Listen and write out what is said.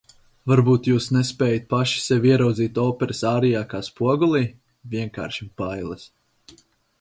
Varbūt jūs nespējat paši sevi ieraudzīt operas ārijā kā spogulī? Vienkārši bailes.